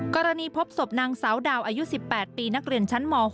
พบศพนางสาวดาวอายุ๑๘ปีนักเรียนชั้นม๖